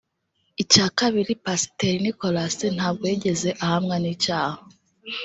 Icya kabiri Pasiteri Nicholas ntabwo yigeze ahamwa n’icyaha